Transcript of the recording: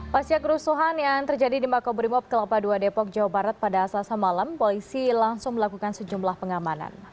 pasca kerusuhan yang terjadi di makobrimob kelapa ii depok jawa barat pada selasa malam polisi langsung melakukan sejumlah pengamanan